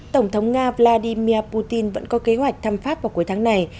tổng thống nga vladimir putin vẫn có kế hoạch thăm pháp vào cuối tháng này